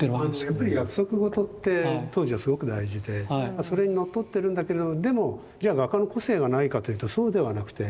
やっぱり約束事って当時はすごく大事でそれにのっとってるんだけれどもでもじゃあ画家の個性がないかというとそうではなくて。